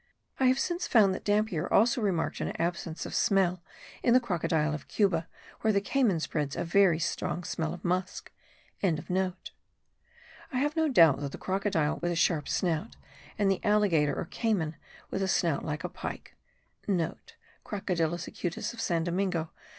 I have since found that Dampier also remarked an absence of smell in the crocodile of Cuba where the caymans spread a very strong smell of musk.) I have no doubt that the crocodile with a sharp snout, and the alligator or cayman with a snout like a pike,* (* Crocodilus acutus of San Domingo.